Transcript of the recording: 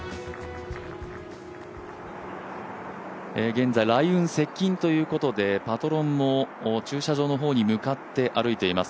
現在、雷雲接近ということでパトロンも駐車場の方に向かって歩いています。